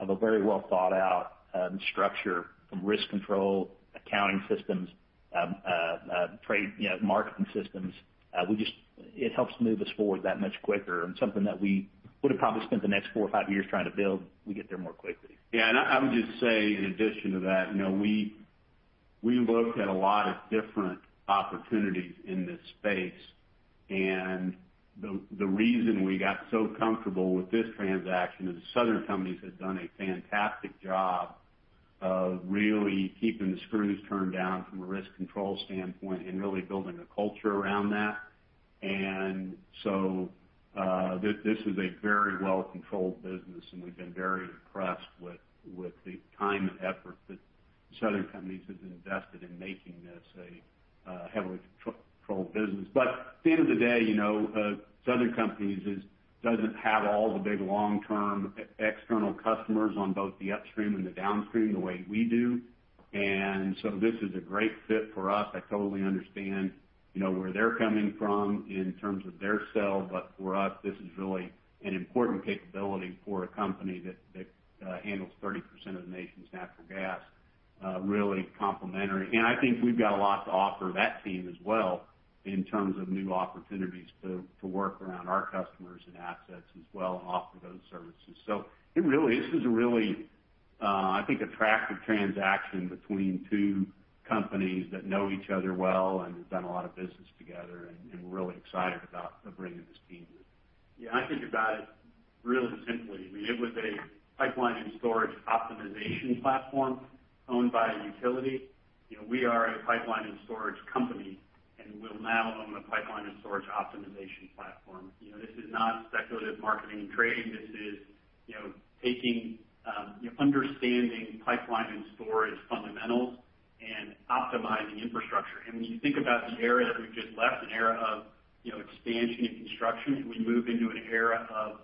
of a very well thought out structure from risk control accounting systems, trade marketing systems. It helps move us forward that much quicker and something that we would have probably spent the next four or five years trying to build, we get there more quickly.
I would just say in addition to that, we looked at a lot of different opportunities in this space, and the reason we got so comfortable with this transaction is Southern Company has done a fantastic job of really keeping the screws turned down from a risk control standpoint and really building a culture around that. This is a very well-controlled business, and we've been very impressed with the time and effort that Southern Company has invested in making this a heavily controlled business. At the end of the day, Southern Company doesn't have all the big long-term external customers on both the upstream and the downstream the way we do. This is a great fit for us. I totally understand where they're coming from in terms of their sell, but for us, this is really an important capability for a company that handles 30% of the nation's natural gas. Really complementary. I think we've got a lot to offer that team as well in terms of new opportunities to work around our customers and assets as well, and offer those services. This is a really, I think, attractive transaction between two companies that know each other well and have done a lot of business together, and we're really excited about bringing this team in.
Yeah, I think about it really simply. I mean, it was a pipeline and storage optimization platform owned by a utility. We are a pipeline and storage company, and we'll now own a pipeline and storage optimization platform. This is not speculative marketing and trading. This is understanding pipeline and storage fundamentals and optimizing infrastructure. When you think about the era that we've just left, an era of expansion and construction, and we move into an era of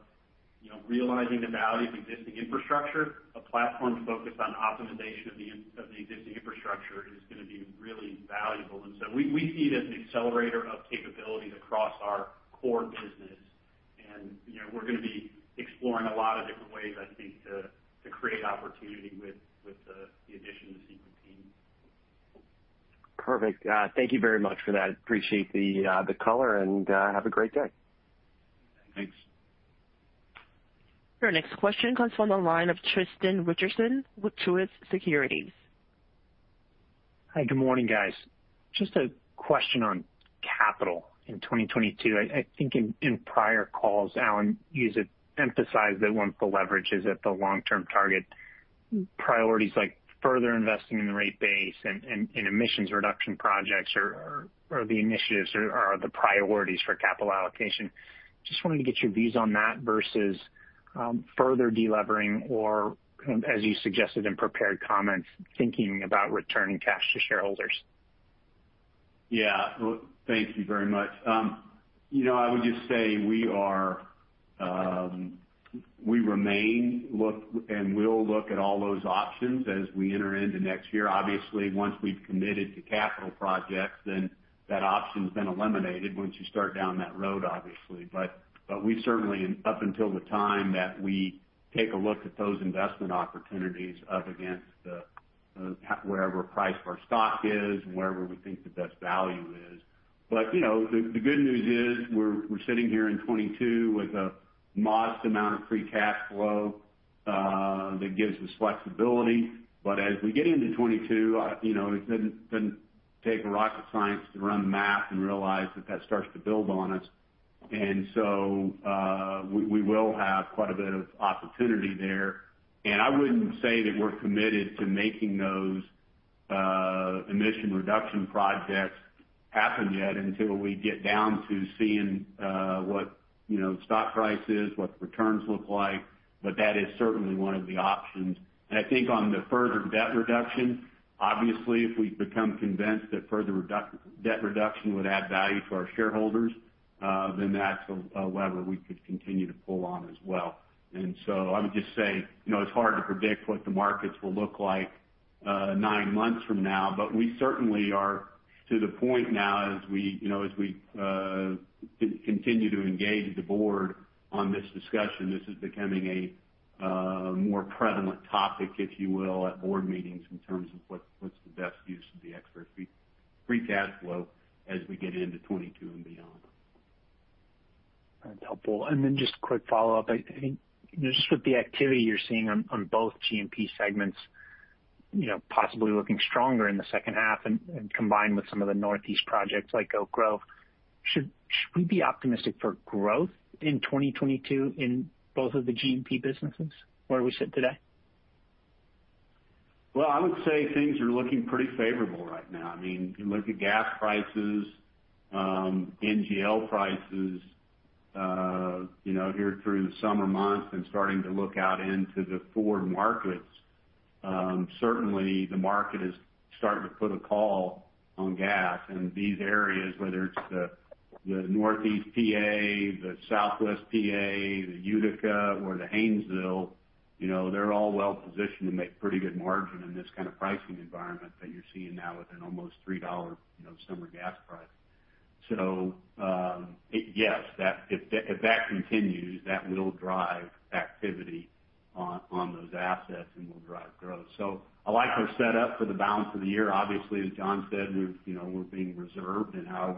realizing the value of existing infrastructure, a platform focused on optimization of the existing infrastructure is going to be really valuable. We see it as an accelerator of capabilities across our core business. We're going to be exploring a lot of different ways, I think, to create opportunity with the addition of the Sequent team.
Perfect. Thank you very much for that. Appreciate the color, and have a great day.
Thanks.
Your next question comes from the line of Tristan Richardson with Truist Securities.
Hi, good morning, guys. Just a question on capital in 2022. I think in prior calls, Alan, you emphasized that once the leverage is at the long-term target, priorities like further investing in the rate base and emissions reduction projects or the initiatives are the priorities for capital allocation. Just wanted to get your views on that versus further de-levering or as you suggested in prepared comments, thinking about returning cash to shareholders.
Yeah. Thank you very much. I would just say we remain, and we'll look at all those options as we enter into next year. Obviously, once we've committed to capital projects, then that option's been eliminated once you start down that road, obviously. We certainly, up until the time that we take a look at those investment opportunities up against the wherever price of our stock is and wherever we think the best value is. The good news is we're sitting here in 2022 with a modest amount of free cash flow that gives us flexibility. As we get into 2022, it doesn't take rocket science to run the math and realize that starts to build on us. We will have quite a bit of opportunity there. I wouldn't say that we're committed to making those emission reduction projects happen yet until we get down to seeing what stock price is, what the returns look like. That is certainly one of the options. I think on the further debt reduction, obviously, if we become convinced that further debt reduction would add value to our shareholders, then that's a lever we could continue to pull on as well. I would just say, it's hard to predict what the markets will look like nine months from now, but we certainly are to the point now as we continue to engage the board on this discussion. This is becoming a more prevalent topic, if you will, at board meetings in terms of what's the best use of the extra free cash flow as we get into 2022 and beyond.
That's helpful. Just a quick follow-up, I think just with the activity you're seeing on both G&P segments, possibly looking stronger in the second half and combined with some of the Northeast projects like Oak Grove, should we be optimistic for growth in 2022 in both of the G&P businesses where we sit today?
Well, I would say things are looking pretty favorable right now. You look at gas prices, NGL prices, here through the summer months and starting to look out into the forward markets. Certainly, the market is starting to put a call on gas. These areas, whether it's the Northeast P.A., the Southwest P.A., the Utica, or the Haynesville, they're all well-positioned to make pretty good margin in this kind of pricing environment that you're seeing now with an almost $3 summer gas price. Yes, if that continues, that will drive activity on those assets and will drive growth. I like our set up for the balance of the year. Obviously, as John said, we're being reserved in how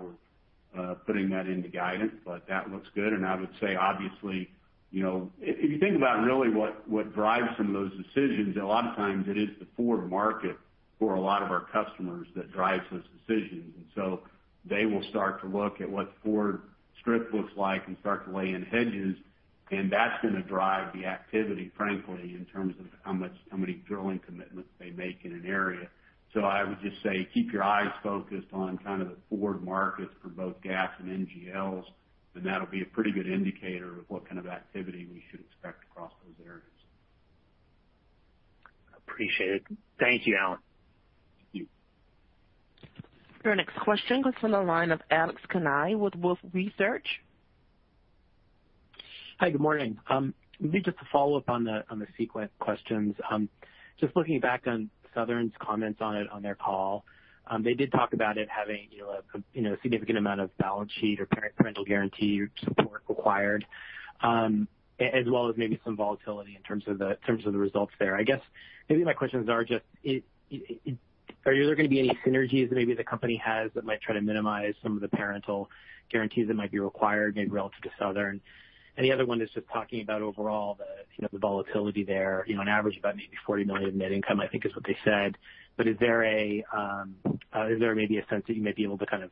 we're putting that into guidance, but that looks good. I would say, obviously, if you think about really what drives some of those decisions, a lot of times it is the forward market for a lot of our customers that drives those decisions. They will start to look at what the forward strip looks like and start to lay in hedges, and that's going to drive the activity, frankly, in terms of how many drilling commitments they make in an area. I would just say keep your eyes focused on the forward markets for both gas and NGLs, and that'll be a pretty good indicator of what kind of activity we should expect across those areas.
Appreciate it. Thank you, Alan.
Thank you.
Your next question comes from the line of Alex Kania with Wolfe Research.
Hi, good morning. Maybe just to follow up on the Sequent questions. Just looking back on Southern's comments on it on their call. They did talk about it having a significant amount of balance sheet or parental guarantee support required, as well as maybe some volatility in terms of the results there. I guess maybe my questions are just are there going to be any synergies that maybe the company has that might try to minimize some of the parental guarantees that might be required, maybe relative to Southern? The other one is just talking about overall the volatility there, on average about maybe $40 million of net income, I think is what they said. Is there maybe a sense that you might be able to kind of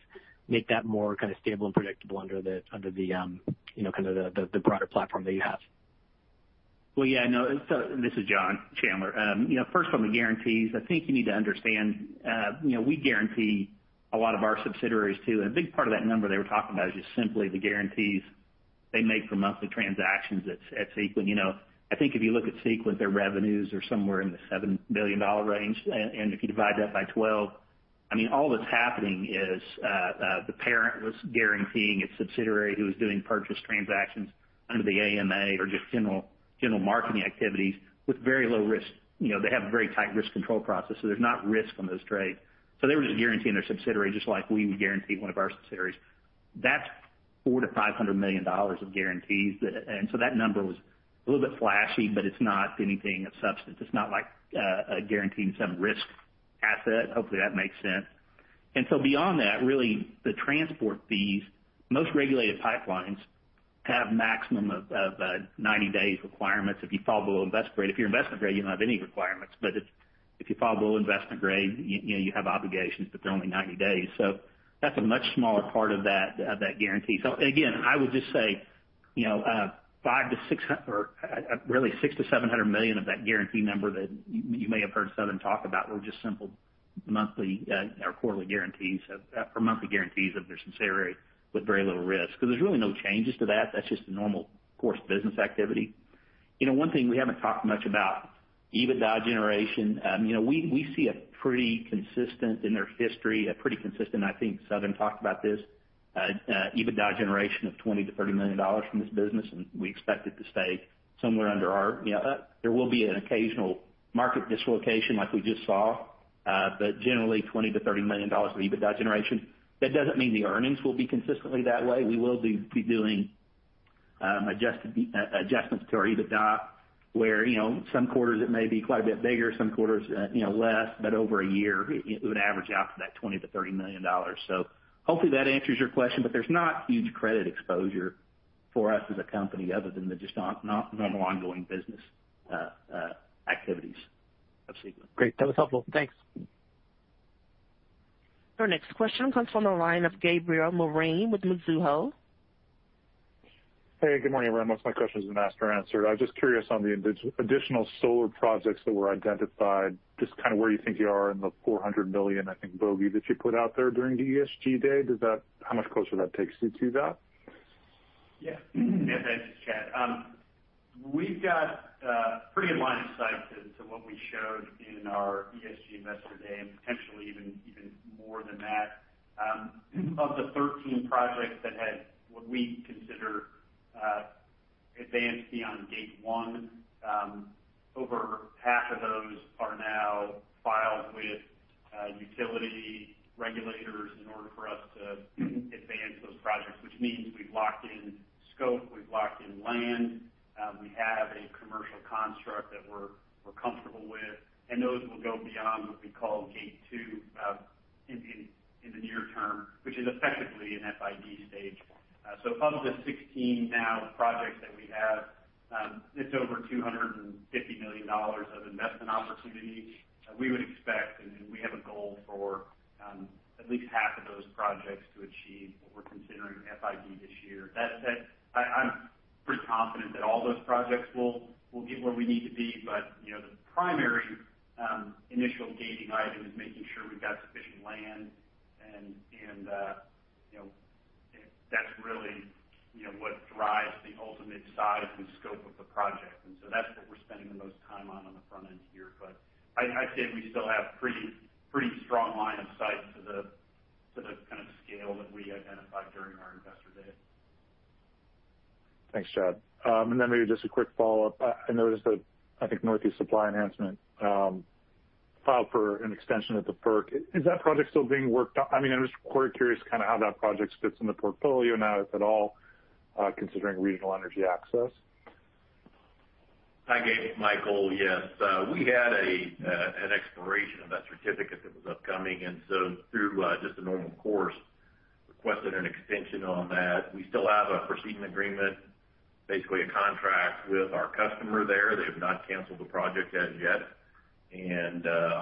make that more kind of stable and predictable under the kind of the broader platform that you have?
Well, yeah. No. This is John Chandler. First on the guarantees, I think you need to understand we guarantee a lot of our subsidiaries too. A big part of that number they were talking about is just simply the guarantees they make for monthly transactions at Sequent. I think if you look at Sequent, their revenues are somewhere in the $7 billion range. If you divide that by 12, all that's happening is, the parent was guaranteeing its subsidiary who was doing purchase transactions under the AMA or just general marketing activities with very low risk. They have a very tight risk control process, so there's not risk on those trades. They were just guaranteeing their subsidiary, just like we would guarantee one of our subsidiaries. That's $400 million-$500 million of guarantees. That number was a little bit flashy, but it's not anything of substance. It's not like guaranteeing some risk asset. Hopefully, that makes sense. Beyond that, really, the transport fees, most regulated pipelines have maximum of 90 days requirements if you fall below investment grade. If you're investment grade, you don't have any requirements. If you fall below investment grade, you have obligations, but they're only 90 days. That's a much smaller part of that guarantee. Again, I would just say $600 million-$700 million of that guarantee number that you may have heard Southern talk about were just simple monthly or quarterly guarantees, or monthly guarantees of their Sun ray with very little risk. There's really no changes to that. That's just the normal course of business activity. One thing we haven't talked much about, EBITDA generation. We see in their history, a pretty consistent, I think Southern talked about this, EBITDA generation of $20 million-$30 million from this business, we expect it to stay somewhere under there. There will be an occasional market dislocation like we just saw. Generally $20 million-$30 million of EBITDA generation. That doesn't mean the earnings will be consistently that way. We will be doing adjustments to our EBITDA where some quarters it may be quite a bit bigger, some quarters less, but over a year, it would average out to that $20 million-$30 million. Hopefully that answers your question. There's not huge credit exposure for us as a company other than the just normal ongoing business activities of Sequent.
Great. That was helpful. Thanks.
Our next question comes from the line of Gabriel Moreen with Mizuho.
Hey, good morning, everyone. Most of my questions have been asked or answered. I was just curious on the additional solar projects that were identified, just kind of where you think you are in the $400 million, I think, bogey that you put out there during the ESG day. How much closer that takes you to that?
Thanks, Chad. We've got a pretty aligned sight to what we showed in our ESG Investor Day, potentially even more than that. Of the 13 projects that had what we consider advanced beyond gate 1, over half of those are now filed with utility regulators in order for us to advance those projects. Means we've locked in scope, we've locked in land. We have a commercial construct that we're comfortable with, those will go beyond what we call gate 2 in the near term, which is effectively an FID stage 1. Of the 16 now projects that we have, it's over $250 million of investment opportunity. We would expect, we have a goal for at least half of those projects to achieve what we're considering FID this year. I'm pretty confident that all those projects will get where we need to be. The primary initial gating item is making sure we've got sufficient land and that's really what drives the ultimate size and scope of the project. That's what we're spending the most time on the front end here. I'd say we still have pretty strong line of sight to the kind of scale that we identified during our Investor Day.
Thanks, Chad. Maybe just a quick follow-up. I noticed that I think Northeast Supply Enhancement filed for an extension of the FERC. Is that project still being worked on? I was curious kind of how that project fits in the portfolio now, if at all, considering Regional Energy Access.
Hi, Gabe. It's Michael. Yes. We had an expiration of that certificate that was upcoming. Through just a normal course, requested an extension on that. We still have a proceeding agreement, basically a contract with our customer there. They have not canceled the project as yet.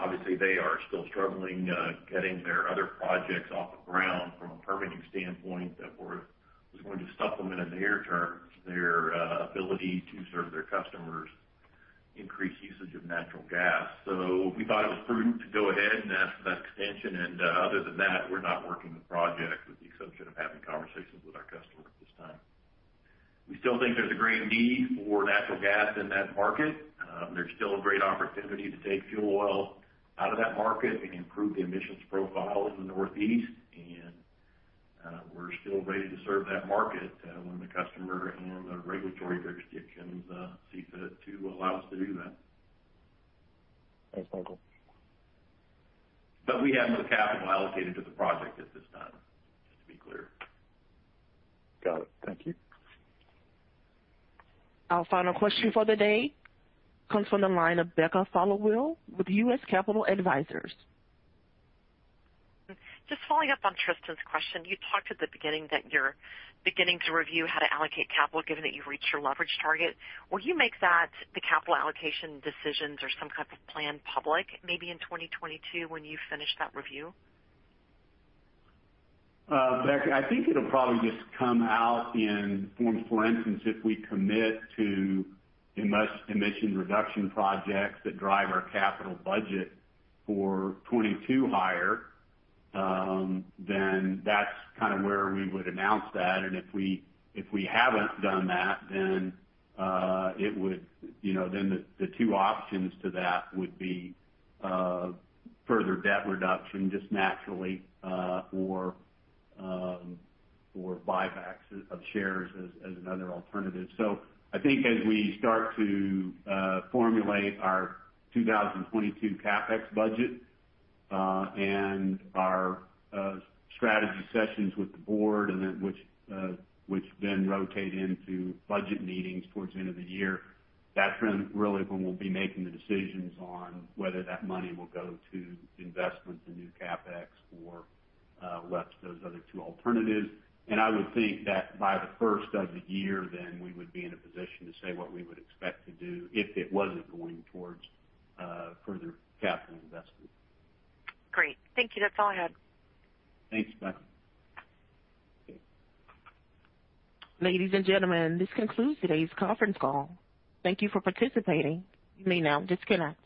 Obviously they are still struggling getting their other projects off the ground from a permitting standpoint, therefore it was going to supplement in the near term their ability to serve their customers increased usage of natural gas. We thought it was prudent to go ahead and ask for that extension. Other than that, we're not working the project with the exception of having conversations with our customer at this time. We still think there's a great need for natural gas in that market. There's still a great opportunity to take fuel oil out of that market. We can improve the emissions profile in the Northeast, and we're still ready to serve that market when the customer and the regulatory jurisdictions see fit to allow us to do that.
Thanks, Micheal.
We have no capital allocated to the project at this time, just to be clear.
Got it. Thank you.
Our final question for the day comes from the line of Becca Followill with U.S. Capital Advisors.
Just following up on Tristan's question. You talked at the beginning that you're beginning to review how to allocate capital given that you've reached your leverage target. Will you make that, the capital allocation decisions or some type of plan public maybe in 2022 when you finish that review?
Becca, I think it'll probably just come out in forms. For instance, if we commit to emission reduction projects that drive our capital budget for 2022 higher, then that's kind of where we would announce that. If we haven't done that, then the two options to that would be further debt reduction just naturally, or buybacks of shares as another alternative. I think as we start to formulate our 2022 CapEx budget and our strategy sessions with the board, which then rotate into budget meetings towards the end of the year, that's really when we'll be making the decisions on whether that money will go to investments in new CapEx or whether it's those other two alternatives. I would think that by the first of the year, then we would be in a position to say what we would expect to do if it wasn't going towards further capital investments.
Great. Thank you. That's all I had.
Thanks, Becca.
Ladies and gentlemen, this concludes today's conference call. Thank you for participating. You may now disconnect.